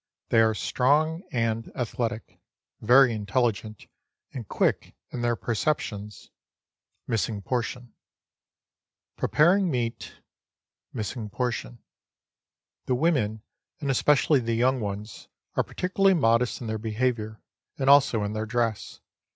They are strong and athletic, very intelligent, and quick in their perceptions preparing meat. .. The women, and especially the young ones, are particularly modest in their behaviour, and' also in their dress.